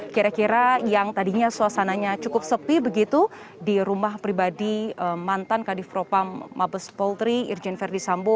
kira kira yang tadinya suasananya cukup sepi begitu di rumah pribadi mantan kadifropam mabes polri irjen verdi sambo